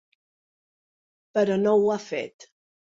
Però no ho ha fet.